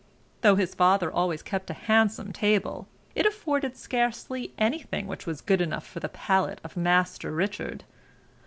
Though his father always kept a handsome table, it afforded scarcely any thing which was good enough for the palate of Master Richard.